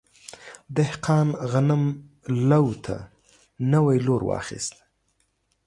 دهقان غنم لو ته نوی لور واخیست.